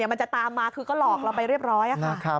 มันจะตามมาคือก็หลอกเราไปเรียบร้อยค่ะ